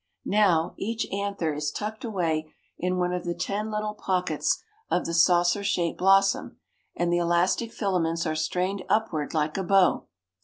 Now, each anther is tucked away in one of the ten little pockets of the saucer shaped blossom and the elastic filaments are strained upward like a bow.